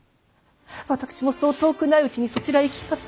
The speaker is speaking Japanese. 私もそう遠くないうちにそちらへ行きます。